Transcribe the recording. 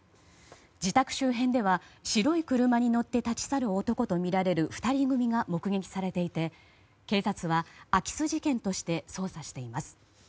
自宅周辺では白い車に乗って立ち去る男とみられる２人組が目撃されていて警察は空き巣事件として捜査しています。